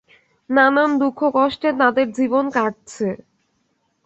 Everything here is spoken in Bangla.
নানান দুঃখ-কষ্টে তাঁদের জীবন কাটছে।